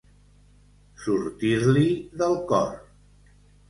Sortir-li del cor.